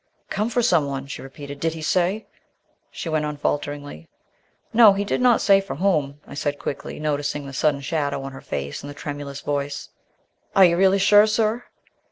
"Come for someone," she repeated. "Did he say " she went on falteringly. "No, he did not say for whom," I said quickly, noticing the sudden shadow on her face and the tremulous voice. "Are you really sure, sir?"